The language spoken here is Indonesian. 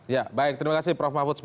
ya baik terima kasih prof mahfud